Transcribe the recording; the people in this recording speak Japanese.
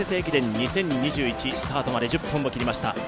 ２０２１年、スタートまで１０分を切りました。